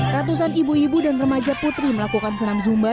ratusan ibu ibu dan remaja putri melakukan senam zumba